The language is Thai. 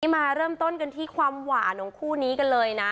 มาเริ่มต้นกันที่ความหวานของคู่นี้กันเลยนะ